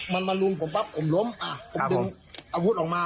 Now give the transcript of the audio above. มันมาลุมผมปั๊บผมล้มอ่ะผมดึงอาวุธออกมา